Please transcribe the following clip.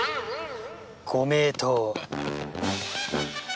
ご名答！